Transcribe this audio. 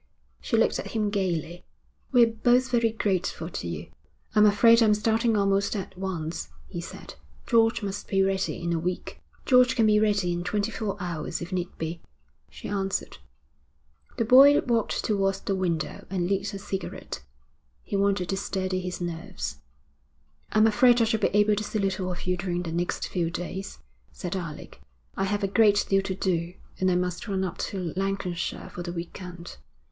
She looked at him gaily. 'We're both very grateful to you.' 'I'm afraid I'm starting almost at once,' he said. 'George must be ready in a week.' 'George can be ready in twenty four hours if need be,' she answered. The boy walked towards the window and lit a cigarette. He wanted to steady his nerves. 'I'm afraid I shall be able to see little of you during the next few days,' said Alec. 'I have a great deal to do, and I must run up to Lancashire for the week end.'